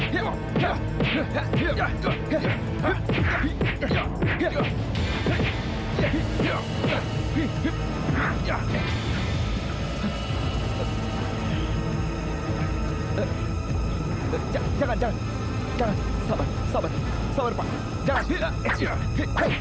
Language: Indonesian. tenang dengarkan saya dulu pak